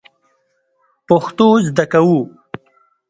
پښتو زده کوو